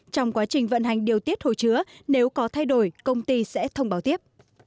trong quá trình vận hành điều tiết hồ chứa nếu có thay đổi công ty sẽ thông báo tiếp